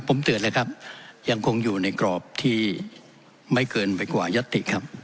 ผมเตือนเลยครับยังคงอยู่ในกรอบที่ไม่เกินไปกว่ายัตติครับ